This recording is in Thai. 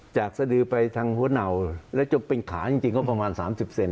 จากสะดือไปทางหัวหน่าวแล้วจบเป็นขายังจริงก็ประมาณ๓๐เซนติเซ็นต์